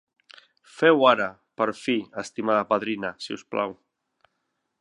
Feu ara, per fi, estimada padrina, si us plau!